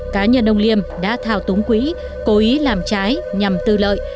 cá nhân ông liêm đã thao túng quỹ cố ý làm trái nhằm tư lợi